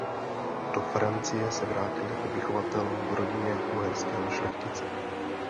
Do Francie se vrátil jako vychovatel v rodině uherského šlechtice.